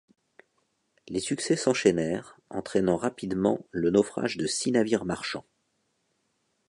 Les succès s'enchaînèrent, entraînant rapidement le naufrage de six navires marchands.